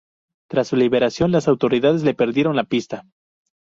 Tras su liberación, las autoridades le perdieron la pista.